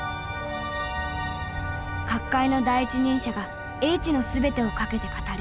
各界の第一人者が叡智の全てをかけて語る最後の講義。